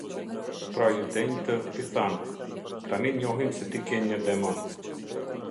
Pra Judenjtë i thanë: "Tani njohim se ti ke një demon.